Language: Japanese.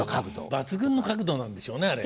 抜群の角度なんでしょうねあれ。